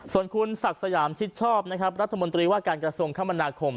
ส่วนคุณศักดิ์สยามชิดชอบนะครับรัฐมนตรีว่าการกระทรวงคมนาคม